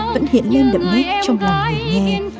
vẫn hiện lên đậm nít trong lòng ngọt nghe